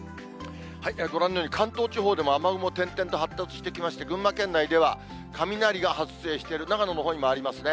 ご覧のように、関東地方でも雨雲、点々と発達してきまして、群馬県内では、雷が発生してる、長野のほうにもありますね。